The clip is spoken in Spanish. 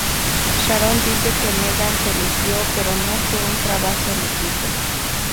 Sharon dice que Megan se lució pero no fue un trabajo en equipo.